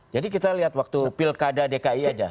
jadi kita lihat waktu pilkada dki aja